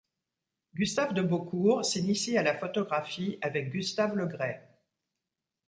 Gustave de Beaucorps s'initie à la photographie avec Gustave Le Gray.